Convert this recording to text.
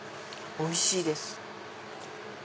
おいしいです。